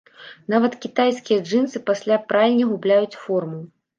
Нават кітайскія джынсы пасля пральні губляюць форму.